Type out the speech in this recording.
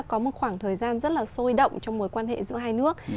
chúng ta có một khoảng thời gian rất là sôi động trong mối quan hệ giữa hai nước